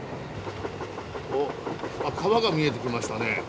お川が見えてきましたね。